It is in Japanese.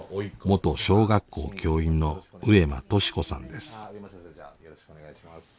元小学校教員の上間敏子さんです。